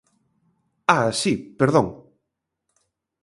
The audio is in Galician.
¡Ah!, si, ¡perdón!